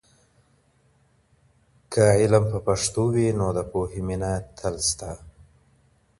که علم په پښتو وي، نو د پوهې مینه تل شته.